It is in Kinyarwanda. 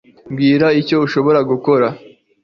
mbwira icyo nshobora gukora